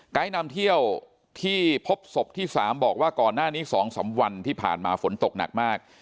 นำเที่ยวที่พบศพที่๓บอกว่าก่อนหน้านี้๒๓วันที่ผ่านมาฝนตกหนักมาก